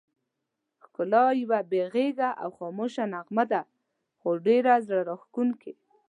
ښکلا یوه بې غږه او خاموشه نغمه ده، خو ډېره زړه راښکونکې.